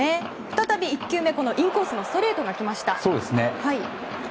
再び１球目、インコースのストレートが来ました。